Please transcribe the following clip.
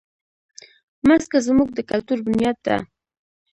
مځکه زموږ د کلتور بنیاد ده.